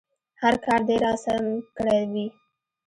هر کار دې راسم کړی وي.